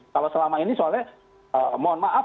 kalau selama ini soalnya mohon maaf